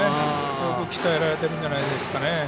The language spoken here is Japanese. よく鍛えられているんじゃないですかね。